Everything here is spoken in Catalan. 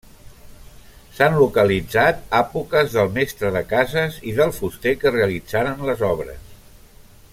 S'han localitzat àpoques del mestre de cases i del fuster que realitzaren les obres.